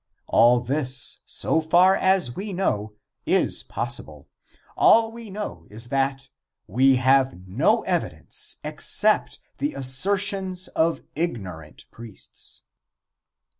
All this, so far as we know, is possible. All we know is that we have no evidence except the assertions of ignorant priests.